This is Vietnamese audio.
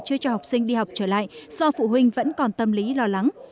chưa cho học sinh đi học trở lại do phụ huynh vẫn còn tâm lý lo lắng